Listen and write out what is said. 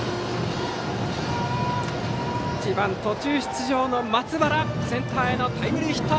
１番、途中出場の松原センターへのタイムリーヒット。